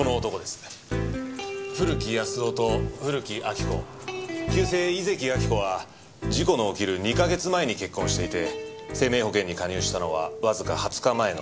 古木保男と古木亜木子旧姓井関亜木子は事故の起きる２カ月前に結婚していて生命保険に加入したのはわずか２０日前の６月２日でした。